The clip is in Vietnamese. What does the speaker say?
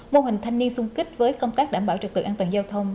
mô hình thanh niên sung kích với công tác đảm bảo trực tự an toàn giao thông